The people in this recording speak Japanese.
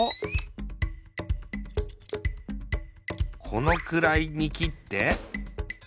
このくらいにきって。